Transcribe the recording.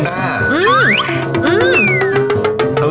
อื้ออื้อ